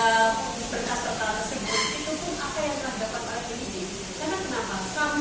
pengembalian terhadap berkas berkas tersebut